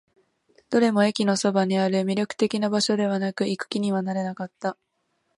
どれも駅のそばにある。魅力的な場所ではなく、行く気にはなれなかった。